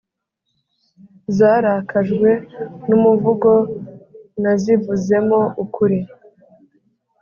Zarakajwe n'umuvugo nazivuzemo ukuri